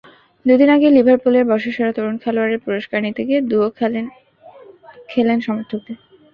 দুদিন আগেই লিভারপুলের বর্ষসেরা তরুণ খেলোয়াড়ের পুরস্কার নিতে গিয়ে দুয়ো খেলেন সমর্থকদের।